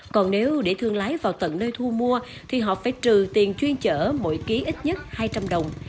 còn nếu để thương lái vào tận nơi thu mua thì họ phải trừ tiền chuyên chở mỗi ký ít nhất hai trăm linh đồng